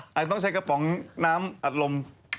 อาจจะต้องใช้กระป๋องน้ำอัดลม